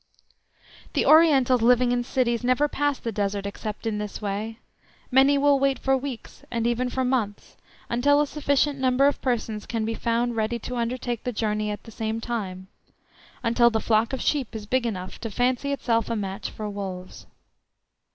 The Orientals living in cities never pass the Desert except in this way; many will wait for weeks, and even for months, until a sufficient number of persons can be found ready to undertake the journey at the same time—until the flock of sheep is big enough to fancy itself a match for wolves.